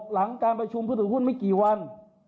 หลังการประชุมผู้ถือหุ้นไม่กี่วัน